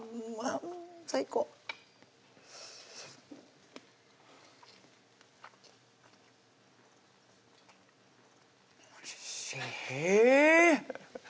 もう最高おいしい！